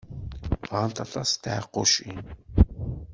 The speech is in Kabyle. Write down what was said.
Ṛɣant aṭas n tɛeqqucin.